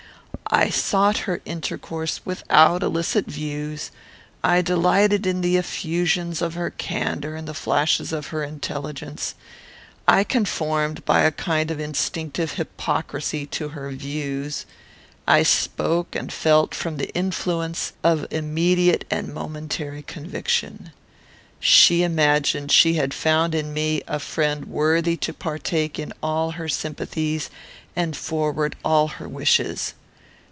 I sought her intercourse without illicit views; I delighted in the effusions of her candour and the flashes of her intelligence; I conformed, by a kind of instinctive hypocrisy, to her views; I spoke and felt from the influence of immediate and momentary conviction. She imagined she had found in me a friend worthy to partake in all her sympathies and forward all her wishes.